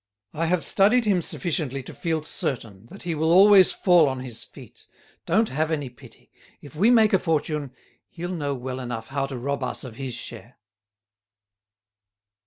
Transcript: I have studied him sufficiently to feel certain that he will always fall on his feet. Don't have any pity; if we make a fortune, he'll know well enough how to rob us of his share."